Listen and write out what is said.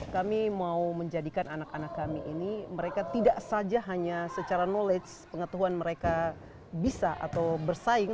kami mau menjadikan anak anak kami ini mereka tidak saja hanya secara knowledge pengetahuan mereka bisa atau bersaing